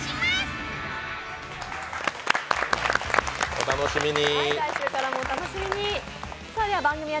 お楽しみに。